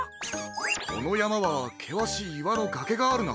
このやまはけわしいいわのがけがあるな。